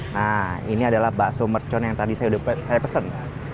nah ini adalah bakso mercon yang tadi saya pesan